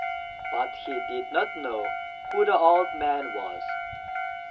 But he did not know who the old man was.